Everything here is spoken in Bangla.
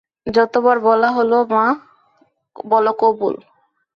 যত বার বলা হল, মা, বল কবুল।